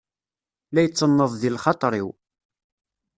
La itenneḍ di lxaṭeṛ-iw.